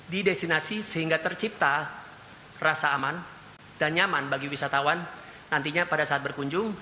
di destinasi sehingga tercipta rasa aman dan nyaman bagi wisatawan nantinya pada saat berkunjung